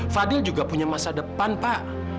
fadil juga punya masa depan pak